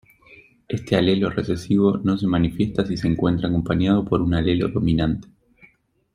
Este alelo recesivo no se manifiesta si se encuentra acompañado por un alelo dominante.